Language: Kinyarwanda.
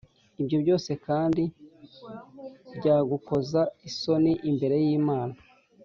Ibyo byose kandi byagukoza isoni imbere y’Imana,